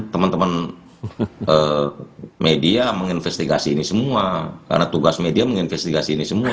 teman teman media menginvestigasi ini semua karena tugas media menginvestigasi ini semua